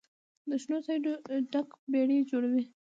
د شنو سایو ډکه بیړۍ جوړوي